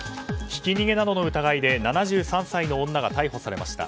ひき逃げなどの疑いで７３歳の女が逮捕されました。